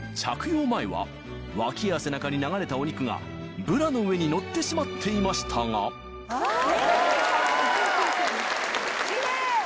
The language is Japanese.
脇や背中に流れたお肉がブラの上に乗ってしまっていましたがキレイ！